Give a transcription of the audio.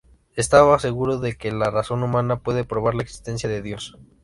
Estaba seguro de que "la razón humana puede probar la existencia de Dios".